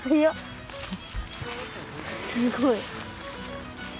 すごい！